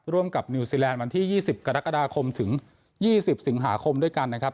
กับนิวซีแลนด์วันที่๒๐กรกฎาคมถึง๒๐สิงหาคมด้วยกันนะครับ